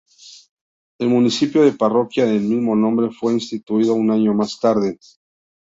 El municipio de parroquia de mismo nombre fue instituido un año más tarde.